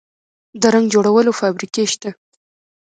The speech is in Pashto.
د رنګ جوړولو فابریکې شته